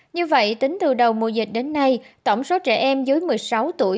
như vậy tính từ đầu mùa dịch đến nay tổng số trẻ em dưới một mươi sáu tuổi